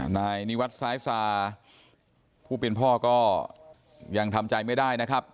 นายนิวัตรซ้ายสาผู้เป็นพ่อก็ยังทำใจไม่ได้นะครับ